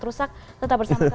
rusak tetap bersama kami di sianet